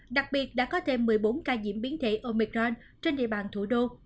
đặc biệt đã có thêm một mươi bốn ca nhiễm biến thể omicron trên địa bàn thủ đô